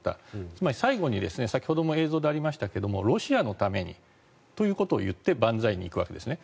つまり、最後に先ほども映像でありましたけどロシアのためにということを言って万歳に行くわけですね。